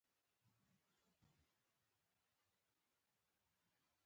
د دويم رېنجر د مخ بانټ او انجن لادرکه و.